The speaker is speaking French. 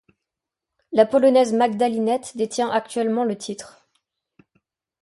La Polonaise Magda Linette détient actuellement le titre.